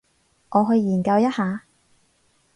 我去研究一下